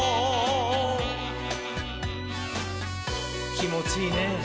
きもちいいねぇ。